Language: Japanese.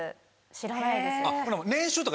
知らないです。